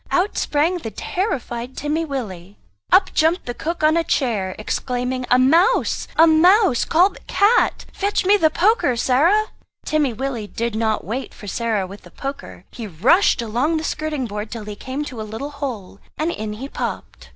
Out sprang the terrified Timmy Willie. Up jumped the cook on a chair, exclaiming "A mouse! a mouse! Call the cat! Fetch me the poker, Sarah!" Timmy Willie did not wait for Sarah with the poker; he rushed along the skirting board till he came to a little hole, and in he popped.